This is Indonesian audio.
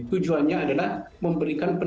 tujuannya adalah memberikan pelayanan